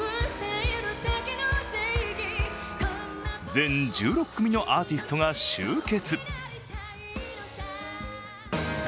全１６組のアーティストが集結。